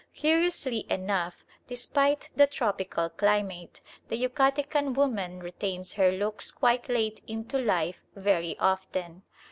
Curiously enough, despite the tropical climate, the Yucatecan woman retains her looks quite late into life very often.